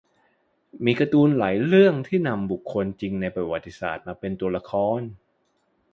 มีการ์ตูนหลายเรื่องที่นำบุคคลจริงในประวัติศาสตร์มาเป็นตัวละคร